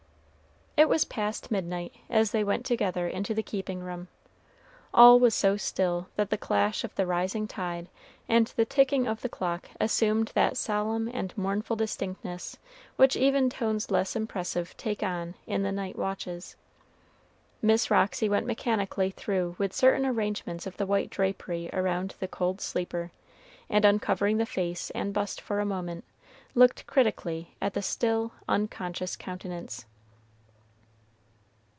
It was past midnight as they went together into the keeping room. All was so still that the clash of the rising tide and the ticking of the clock assumed that solemn and mournful distinctness which even tones less impressive take on in the night watches. Miss Roxy went mechanically through with certain arrangements of the white drapery around the cold sleeper, and uncovering the face and bust for a moment, looked critically at the still, unconscious countenance.